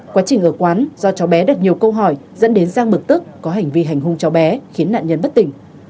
quá trình ở quán do cháu bé đặt nhiều câu hỏi dẫn đến giang bực tức có hành vi hành hung cháu bé khiến nạn nhân bất tỉnh